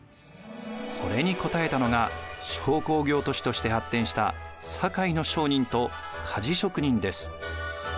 これに応えたのが商工業都市として発展した堺の商人と鍛冶職人です。